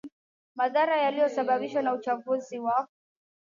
madhara yaliyosababishwa na uchafuzi wa